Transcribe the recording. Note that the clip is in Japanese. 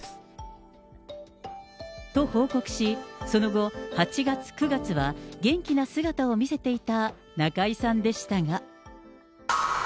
と、報告し、その後、８月、９月は元気な姿を見せていた中居さんでしたが。